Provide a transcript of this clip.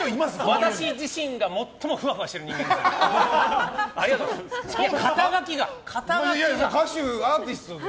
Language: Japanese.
私自身が最もふわふわしている人間なので。